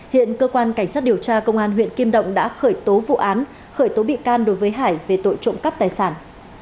hiện cơ quan cảnh sát điều tra công an huyện kim động đã khởi tố vụ án khởi tố bị can đối với hải về tội trộm cắp tài sản